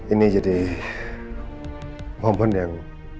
ini jadi momen yang